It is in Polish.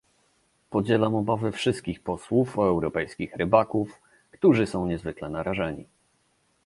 Podzielam obawy wszystkich posłów o europejskich rybaków, którzy są niezwykle narażeni